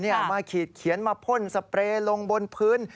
เอามาขีดเขียนมาพ่นสเปรย์ลงบนพื้น